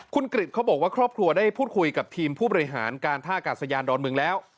คุณกริจเขาบอกว่าครอบครัวได้พูดคุยกับทีมผู้บริหารการท่ากาศยานดอนเมืองแล้ว